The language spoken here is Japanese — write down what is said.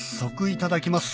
いただきます。